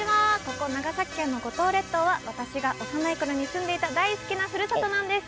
ここ長崎県の五島列島は私が幼いころに住んでいた大好きな、ふるさとなんです。